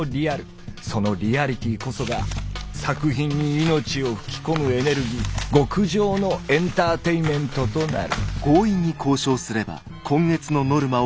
その「リアリティ」こそが作品に命を吹き込むエネルギー極上のエンターテインメントとなる。